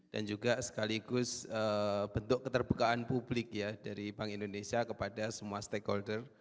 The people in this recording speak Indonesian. dan juga sekaligus bentuk keterbukaan publik dari bank indonesia kepada semua stakeholder